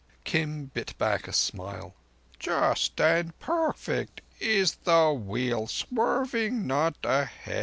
Kim bit back a smile. "Just and perfect is the Wheel, swerving not a hair.